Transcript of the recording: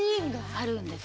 あるんです。